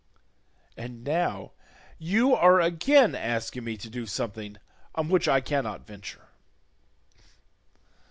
And now you are again asking me to do something on which I cannot venture."